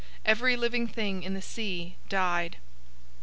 Every living thing in the sea died.